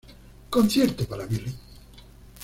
Concierto para violín.